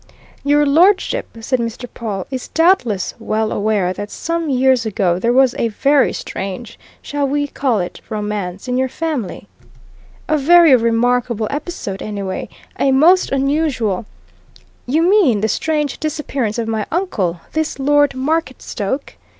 "Your lordship," said Mr. Pawle, "is doubtless well aware that some years ago there was a very strange shall we call it romance? in your family. A very remarkable episode, anyway, a most unusual " "You mean the strange disappearance of my uncle this Lord Marketstoke?"